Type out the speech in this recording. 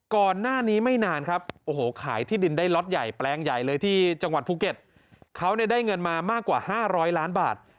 ก่อนหน้านี้ไม่นานครับโอ้โหขายที่ดินได้ล็อตใหญ่แปลงใหญ่เลยที่จังหวัดภูเก็ตเขาเนี่ยได้เงินมามากกว่า๕๐๐ล้านบาท